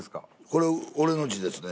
これ俺の字ですね。